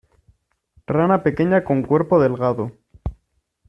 Rana pequeña con cuerpo delgado.